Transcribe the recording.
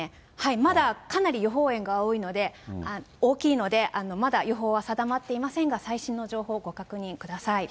まだかなり予報円が大きいので、まだ予報は定まっていませんが、最新の情報をご確認ください。